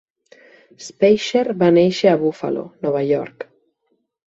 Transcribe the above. Speicher va néixer a Buffalo, Nova York.